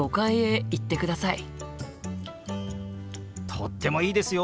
とってもいいですよ！